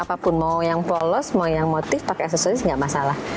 apapun mau yang polos mau yang motif pakai aksesoris nggak masalah